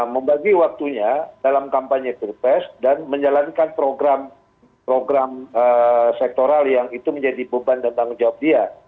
membagi waktunya dalam kampanye pilpres dan menjalankan program sektoral yang itu menjadi beban dan tanggung jawab dia